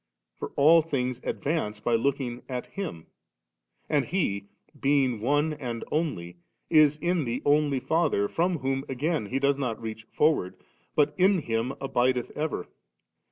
for all things advance by looking at Him ; and He, being One and dnly, is in the Only Father, from whom again He does not reach forward, but in Him abideth ever3».